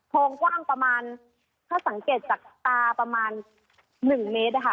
งกว้างประมาณถ้าสังเกตจากตาประมาณ๑เมตรอะค่ะ